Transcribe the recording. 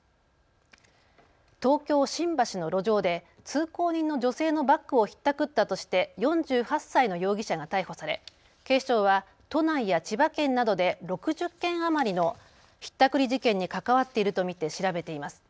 東京、新橋の路上で通行人の女性のバッグをひったくったとして４８歳の容疑者が逮捕され警視庁は、都内や千葉県などで６０件余りのひったくり事件に関わっているとみて調べています。